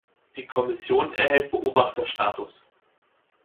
Die Kommission erhält Beobachterstatus.